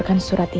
tante sabar ya